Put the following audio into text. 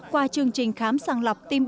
qua chương trình khám sàng lọc tim bẩm